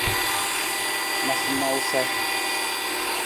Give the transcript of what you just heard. Nawusanawusa.